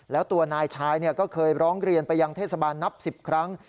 แล้วตัวนายชายก็เคยร้องเรียนไปยังเทศบาลนับ๑๐ครั้ง